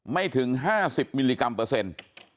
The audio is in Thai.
ไม่ถึง๕๐มิลลิกรัมเปอร์เซ็นต์